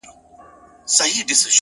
او ستا د ښكلي شاعرۍ په خاطر!